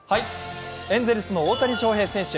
エンゼルスの大谷翔平選手。